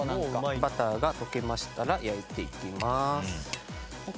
バターが溶けましたら焼いていきます。